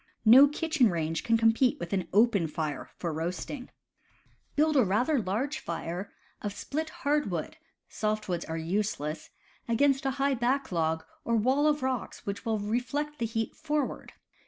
No kitchen range can compete with an open fire for roasting. CAMP COOKERY 135 Build a rather large fire of split hardwood (soft woods are useless) against a high backlog or wall of rocks which will reflect the heat forward.